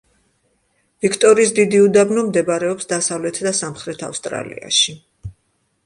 ვიქტორიის დიდი უდაბნო მდებარეობს დასავლეთ და სამხრეთ ავსტრალიაში.